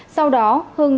sau đó hưng thừa nhận